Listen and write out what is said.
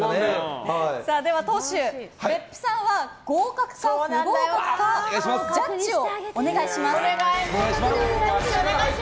では党首、別府さんは合格か不合格かジャッジをお願いします。